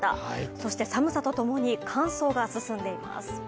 そして寒さとともに乾燥が進んでいます。